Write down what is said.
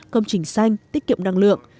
công trình xanh tiết kiệm năng lượng